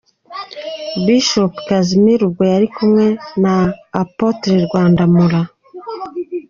Bishop Casmir ubwo yari kumwe na Apotre Rwandamura.